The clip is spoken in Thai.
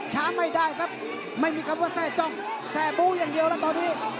ช้างไม่ได้ครับไม่มีคำว่าแทรกแทรกตรงบุรุษอย่างเดียวละะตอนนี้